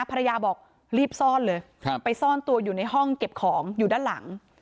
ภรรยาบอกรีบซ่อนเลยไปซ่อนตัวอยู่ในห้องเก็บของอยู่ด้านหลัง